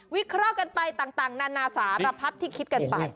วิเคราะห์กันไปต่างนาสาตะภาพที่คิดกันไป